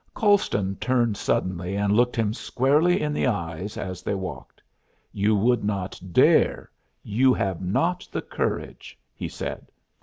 Colston turned suddenly and looked him squarely in the eyes as they walked. "You would not dare you have not the courage," he said.